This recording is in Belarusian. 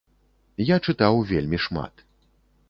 Я чытаў вельмі шмат.